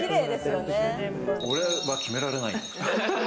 俺は決められないよ。